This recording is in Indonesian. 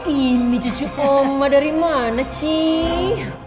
ini cucu oma dari mana sih